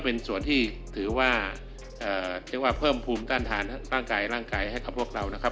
ป้อมแล้วผลไม้สีต่างนะครับ